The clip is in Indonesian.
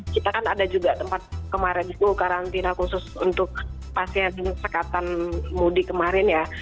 kita kan ada juga tempat kemarin itu karantina khusus untuk pasien sekatan mudik kemarin ya